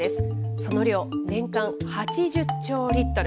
その量、年間８０兆リットル。